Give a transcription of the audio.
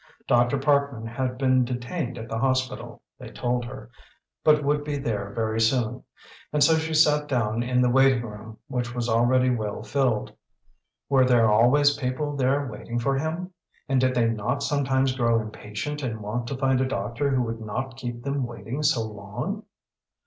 Dr. Parkman had been detained at the hospital, they told her, but would be there very soon, and so she sat down in the waiting room, which was already well filled. Were there always people there waiting for him and did they not sometimes grow impatient and want to find a doctor who would not keep them waiting so long?